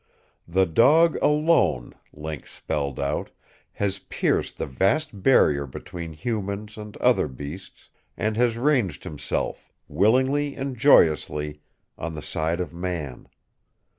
The dog alone, Link spelled out, has pierced the vast barrier between humans and other beasts, and has ranged himself, willingly and joyously, on the side of Man.